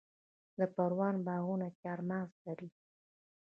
د پروان باغونه چهارمغز لري.